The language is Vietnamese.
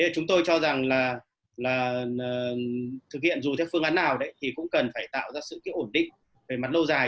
chúng tôi cho rằng là thực hiện dù theo phương án nào đấy thì cũng cần phải tạo ra sự ổn định về mặt lâu dài